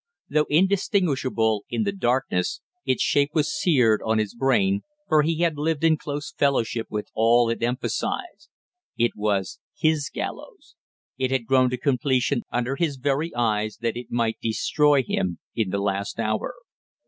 Though indistinguishable in the darkness, its shape was seared on his brain, for he had lived in close fellowship with all it emphasized. It was his gallows, it had grown to completion under his very eyes that it might destroy him in the last hour.